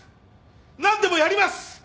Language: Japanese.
何でもやります！